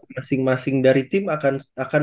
masing masing dari tim akan